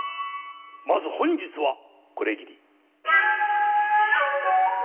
まず本日はこれぎり。